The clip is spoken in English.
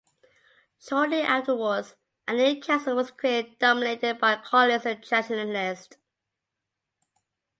Shortly afterwards, a new council was created dominated by Carlists and traditionalists.